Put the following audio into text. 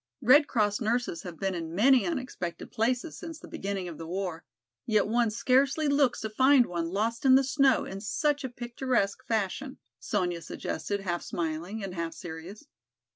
Red Cross nurses have been in many unexpected places since the beginning of the war, yet one scarcely looks to find one lost in the snow in such a picturesque fashion," Sonya suggested half smiling and half serious.